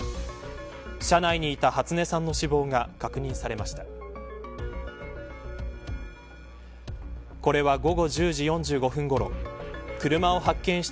車内にいた初音さんの死亡が確認されました。